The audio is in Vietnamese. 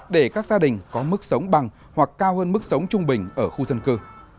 để các gia đình có mức sống bằng hoặc cao hơn mức sống trung bình ở khu dân cư